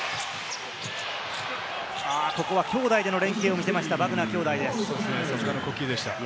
ここは、兄弟での連係を見せました、バグナー兄弟です。